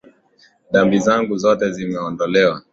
Dhambi zangu zote zimeondolewa,